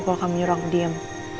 kalau kamu nyuruh aku diem